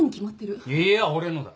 いいや俺のだ。